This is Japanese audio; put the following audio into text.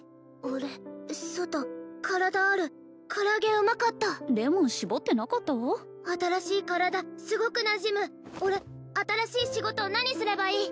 俺外体ある唐揚げうまかったレモン搾ってなかったわ新しい体すごくなじむ俺新しい仕事何すればいい？